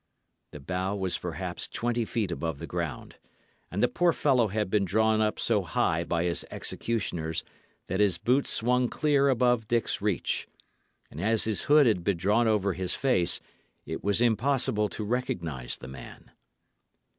The bough was perhaps twenty feet above the ground, and the poor fellow had been drawn up so high by his executioners that his boots swung clear above Dick's reach; and as his hood had been drawn over his face, it was impossible to recognise the man.